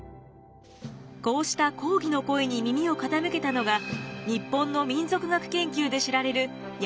こうした抗議の声に耳を傾けたのが日本の民俗学研究で知られる柳田国男でした。